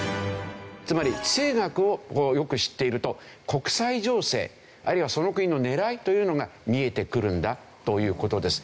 つまり地政学をよく知っていると国際情勢あるいはその国の狙いというのが見えてくるんだという事です。